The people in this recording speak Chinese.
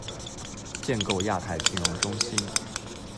建构亚太金融中心